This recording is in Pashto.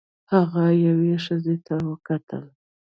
هغه یوې ښځې ته وکتل.